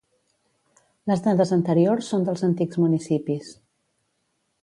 Les dades anteriors són dels antics municipis.